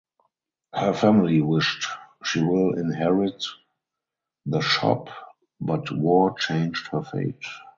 Her family wished she will inherit the shop but war changed her fate.